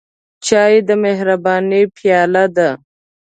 چای د مهربانۍ پیاله ده.